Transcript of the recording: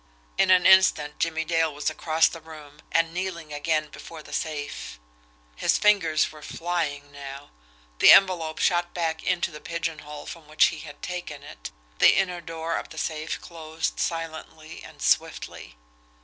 In an instant Jimmie Dale was across the room and kneeling again before the safe. His fingers were flying now. The envelope shot back into the pigeonhole from which he had taken it the inner door of the safe closed silently and swiftly.